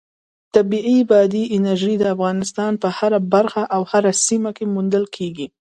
طبیعي بادي انرژي د افغانستان په هره برخه او هره سیمه کې موندل کېږي.